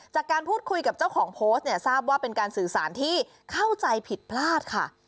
จากการพูดคุยกับเจ้าของโพสต์เนี่ยทราบว่าเป็นการสื่อสารที่เข้าใจผิดพลาดค่ะ